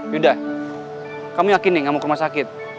yaudah kamu yakin nih gak mau ke rumah sakit